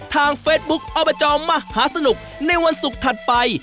ทางเฟซบุ๊คอบจมหาสนุกในวันศุกร์ถัดไป